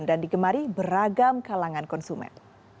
dan digemari beragam kalangan konsumen